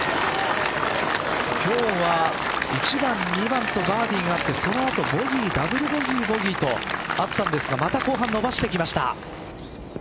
今日は１番、２番とバーディーがあってその後ボギー、ダブルボギーボギーとあったんですがまた後半伸ばしてきました。